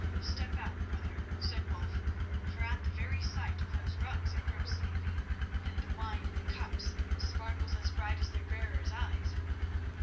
"Step out, brother," said Wulf, "for at the very sight of those rugs I grow sleepy, and the wine in the cups sparkles as bright as their bearers' eyes."